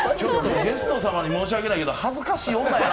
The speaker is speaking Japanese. ゲスト様に申し訳ないけど恥ずかしい女やな。